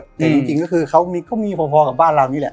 แต่จริงก็คือเขาก็มีพอกับบ้านเรานี่แหละ